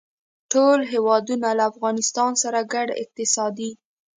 ټول هېوادونه له افغانستان سره ګډې اقتصادي